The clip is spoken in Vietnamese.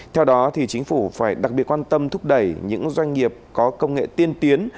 theo đó chính phủ phải đặc biệt quan tâm thúc đẩy những doanh nghiệp có công nghệ tiên tiến